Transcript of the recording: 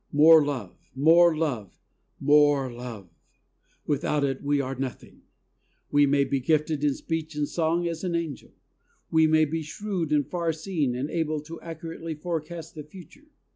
More love, more love, more love ! Without it we are nothing. We may be gifted in speech and song as an angel; we may be shrewd and farseeing and able to accurately forecast the future; 128 THE soul winner's secret.